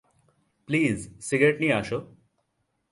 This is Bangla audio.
প্লিজ সিগারেট নিয়ে আসো!